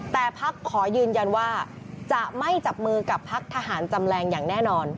แต่พักขอยืนยันว่าจะไม่จับมือกับพักทหารจำแรงอย่างแน่นอน